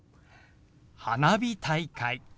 「花火大会」。